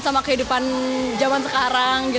sama kehidupan zaman sekarang